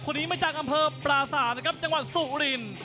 คนนี้มาจากอำเภอปราศาสตร์นะครับจังหวัดสุรินทร์